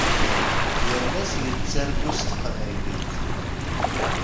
Yal ass yettargu s teqbaylit.